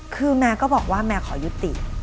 คือแมร์ก็บอกว่าแมร์ขอยุติ